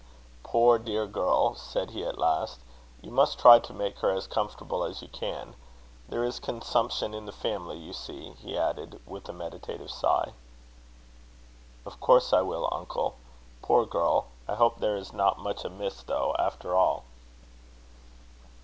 "Poor, dear girl!" said he at last. "You must try to make her as comfortable as you can. There is consumption in the family, you see," he added, with a meditative sigh. "Of course I will, uncle. Poor girl! I hope there is not much amiss though, after all."